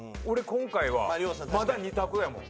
今回はまだ２択やもん。